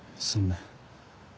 そんな。